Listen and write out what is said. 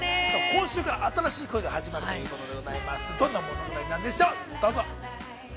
◆今週から新しい恋が始まるということでございます、どんな恋なんでしょう。